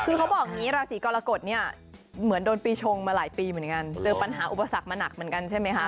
คือเขาบอกอย่างนี้ราศีกรกฎเนี่ยเหมือนโดนปีชงมาหลายปีเหมือนกันเจอปัญหาอุปสรรคมาหนักเหมือนกันใช่ไหมคะ